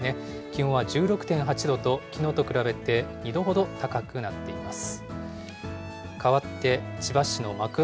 気温は１６．８度と、きのうと比べて２度ほど高くなっています。